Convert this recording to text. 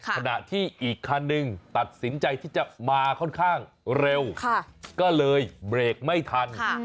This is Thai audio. ขณะที่อีกคันหนึ่งตัดสินใจที่จะมาค่อนข้างเร็วก็เลยเบรกไม่ทัน